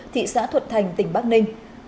thị xã thuận thành tỉnh bắc ninh